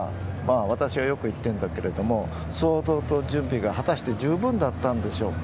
私がよく言っているんだけど想像と準備が果たして十分だったんでしょうか